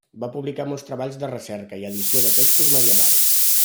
Va publicar molts treballs de recerca i d'edició de textos medievals.